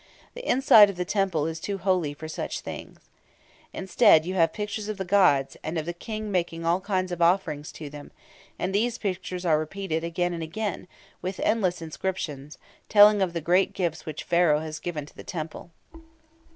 The inside of the temple is too holy for such things. Instead, you have pictures of the gods, and of the King making all kinds of offerings to them; and these pictures are repeated again and again, with endless inscriptions, telling of the great gifts which Pharaoh has given to the temple.